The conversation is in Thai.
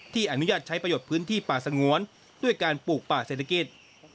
อนุญาตใช้ประโยชน์พื้นที่ป่าสงวนด้วยการปลูกป่าเศรษฐกิจ